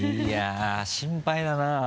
いやぁ心配だな。